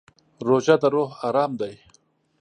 روژه د روح ارام دی.